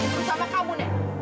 terus sama kamu nek